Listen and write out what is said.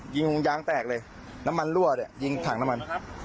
ยิงยางแตกเลยน้ำมันรั่วเนี่ยยิงถังน้ำมัน